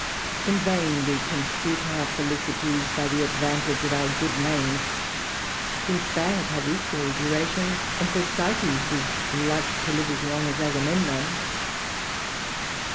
In vain we compute our felicities by the advantage of our good names, since bad have equal durations; and Thersites is like to live as long as Agamemnon.